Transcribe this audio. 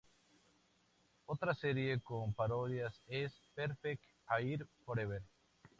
Otra serie con parodias es "Perfect Hair Forever".